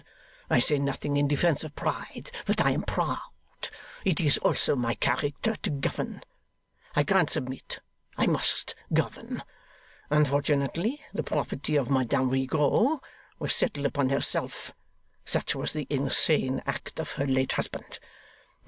I say nothing in defence of pride, but I am proud. It is also my character to govern. I can't submit; I must govern. Unfortunately, the property of Madame Rigaud was settled upon herself. Such was the insane act of her late husband.